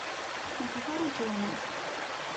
На фіга рукі ламаць?